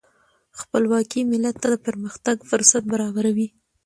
خپلواکي ملت ته د پرمختګ فرصت برابروي.